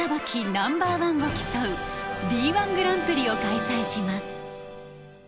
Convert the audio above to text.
ナンバーワンを競うＤー１グランプリを開催します